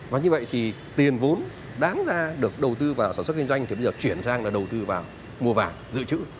và như vậy thì tiền vốn đáng ra được đầu tư vào sản xuất kinh doanh thì bây giờ chuyển sang là đầu tư vào mua vàng dự trữ